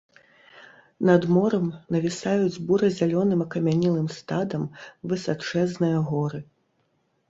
Над морам навісаюць бура-зялёным акамянелым стадам высачэзныя горы.